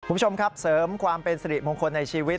คุณผู้ชมครับเสริมความเป็นสิริมงคลในชีวิต